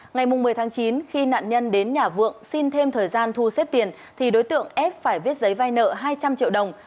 ngày một mươi tháng chín khi nạn nhân đến nhà vượng xin thêm thời gian thu xếp tiền thì đối tượng ép phải viết giấy vai nợ hai trăm linh triệu đồng